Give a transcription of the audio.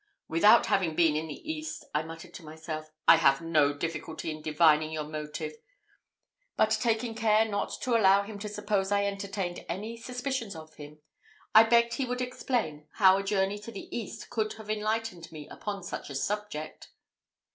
"Without having been in the East," I muttered to myself, "I have no difficulty in divining your motive;" but taking care not to allow him to suppose I entertained any suspicions of him, I begged he would explain how a journey to the East could have enlightened me upon such a subject.